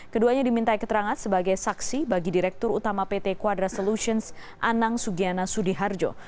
keduanya diminta keterangan sebagai saksi bagi direktur utama pt quadra solutions anang sugiana sudiharjo